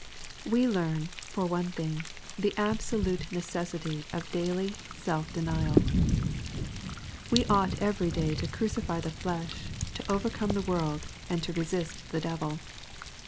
We learn, for one thing, the absolute necessity of daily sel/'demal. We ought every day to crucify the flesh, to overcome the world, and to resist the devil.